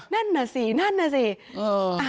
นั่นอ่ะสินั่นอ่ะสิเออ